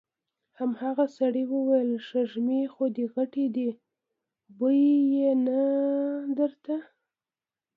هماغه سړي وويل: سپږمې خو دې غټې دې، بوی يې نه درته؟